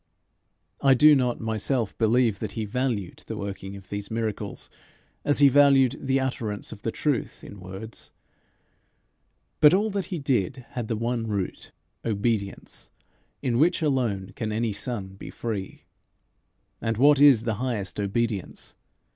I do not myself believe that he valued the working of these miracles as he valued the utterance of the truth in words; but all that he did had the one root, obedience, in which alone can any son be free. And what is the highest obedience?